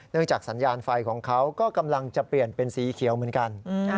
จากสัญญาณไฟของเขาก็กำลังจะเปลี่ยนเป็นสีเขียวเหมือนกัน